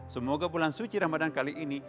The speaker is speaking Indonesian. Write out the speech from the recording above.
semoga bulan suci ramadan kali ini